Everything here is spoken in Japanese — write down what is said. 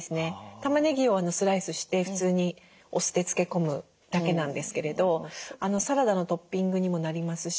たまねぎをスライスして普通にお酢で漬け込むだけなんですけれどサラダのトッピングにもなりますし